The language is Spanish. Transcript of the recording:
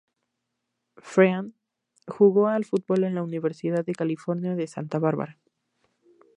Friend jugó al fútbol en la Universidad de California en Santa Bárbara.